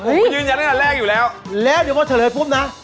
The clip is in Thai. ผมมายืนยันตั้งแต่แรกอยู่แล้วแล้วเดี๋ยวพอเฉลยปุ๊บนะ